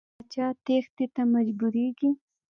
پاچا تېښتې ته مجبوریږي.